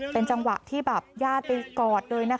เป็นจังหวะที่ญาติไปกอดเลย